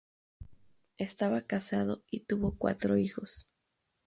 Estaba casado y tuvo cuatro hijos.